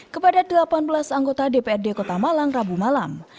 kepada delapan belas anggota dprd kota malang rabu malam